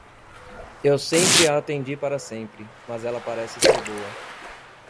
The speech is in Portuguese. Eu sempre a entendi para sempre, mas ela parece ser boa.